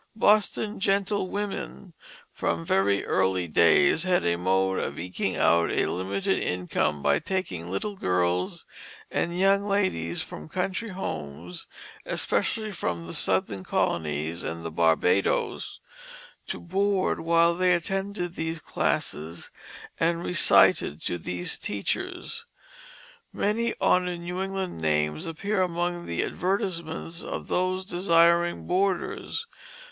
Boston gentlewomen from very early days had a mode of eking out a limited income by taking little girls and young ladies from country homes, especially from the southern colonies and the Barbadoes, to board while they attended these classes and recited to these teachers. Many honored New England names appear among the advertisements of those desiring boarders.